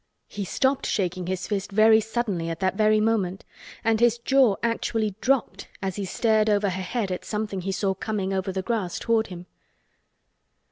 He stopped shaking his fist very suddenly at that very moment and his jaw actually dropped as he stared over her head at something he saw coming over the grass toward him.